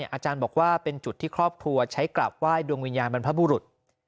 อาจารย์บอกว่าเป็นจุดที่ครอบครัวใช้กราบไหว้ดวงวิญญาณบรรพบุรุษ